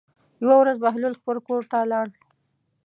یوه ورځ بهلول خپل کور ته لاړ.